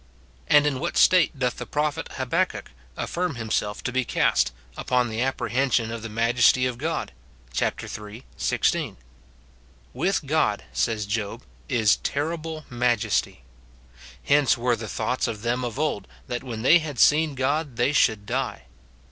And in what state doth the pro phet Habakkuk aflBrm himself to be cast, upon the ap prehension of the majesty of God ? chap. iii. 16. "With God," says Job, "is terrible majesty."* Hence were the thoughts of them of old, that when they had seen God they should die.